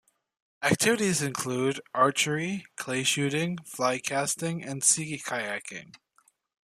Activities include archery, clay shooting, fly casting, and sea kayaking.